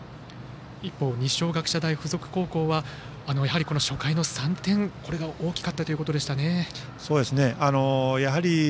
一方の二松学舎大付属高校はやはり初回の３点これが大きかったということでしたね。